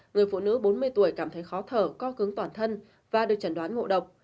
người phụ nữ bốn mươi tuổi cảm thấy khó thở co cứng toàn thân và được chẩn đoán ngộ độc